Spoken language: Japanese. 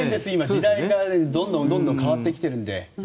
時代がどんどん変わってきているので。